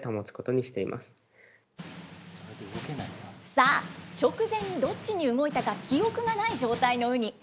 さあ、直前にどっちに動いたか記憶がない状態のウニ。